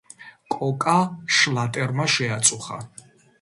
კოკა შლატერმა შეაწუხა